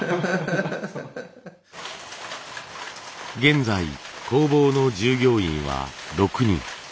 現在工房の従業員は６人。